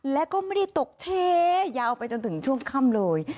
และก็ไม่ได้ตกเชยาวไปจนถึงช่วงค่ำเลย